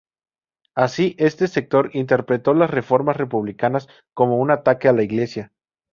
Así, este sector interpretó las reformas republicanas como un ataque a la Iglesia.